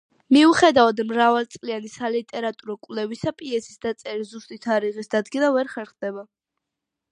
მიუხედავად მრავალწლიანი სალიტერატურო კვლევისა, პიესის დაწერის ზუსტი თარიღის დადგენა ვერ ხერხდება.